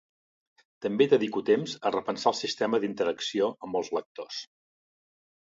També dedico temps a repensar el sistema d'interacció amb els lectors.